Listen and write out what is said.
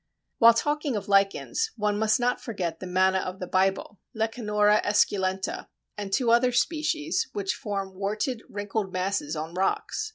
While talking of lichens, one must not forget the Manna of the Bible (Lecanora esculenta) and two other species, which form warted, wrinkled masses on rocks.